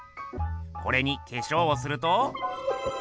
これに化粧をすると。